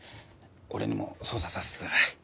俺にも捜査させてください。